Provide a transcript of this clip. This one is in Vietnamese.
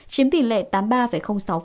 chiếm tỷ lệ tám mươi ba sáu